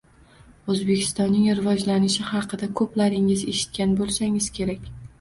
O'zbekistonning rivojlanishi haqida ko'plaringiz eshitgan bo'lsangiz kerak